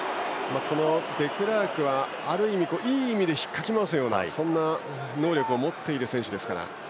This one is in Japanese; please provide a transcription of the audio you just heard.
デクラークは、いい意味で引っかき回すような能力を持っている選手ですから。